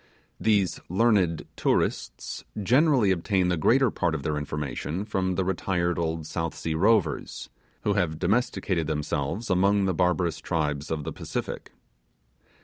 These learned tourists generally obtain the greater part of their information from retired old South Sea rovers, who have domesticated themselves among the barbarous tribes of the Pacific.